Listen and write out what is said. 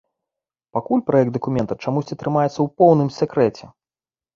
Пакуль праект дакумента чамусьці трымаецца ў поўным сакрэце.